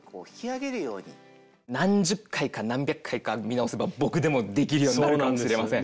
何十回か何百回か見直せば僕でもできるようになるかもしれません。